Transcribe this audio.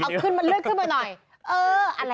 เอาขึ้นมันเลือกขึ้นมาหน่อย